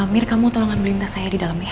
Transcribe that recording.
mir kamu tolong ambil lintas saya di dalam ya